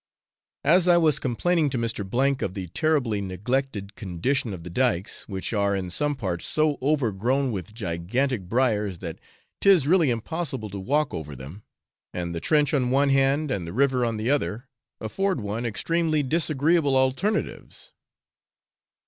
As I was complaining to Mr. of the terribly neglected condition of the dykes, which are in some parts so overgrown with gigantic briars that 'tis really impossible to walk over them, and the trench on one hand, and river on the other, afford one extremely disagreeable alternatives.